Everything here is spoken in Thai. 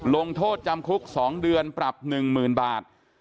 ลงโทษจำคุก๒เดือนปรับ๑๐๐๐บาท